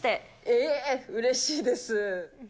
ええ、うれしいです。